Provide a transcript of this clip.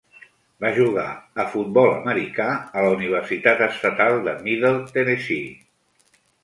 Va jugar a futbol americà a la Universitat Estatal de Middle Tennessee.